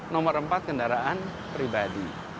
nomor empat kendaraan pribadi